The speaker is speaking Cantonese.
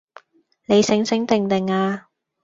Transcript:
你醒醒定定呀